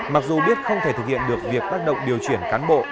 mặc dù biết không thể thực hiện được việc tác động điều chuyển cán bộ